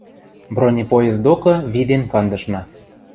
Бронепоезд докы виден кандышна.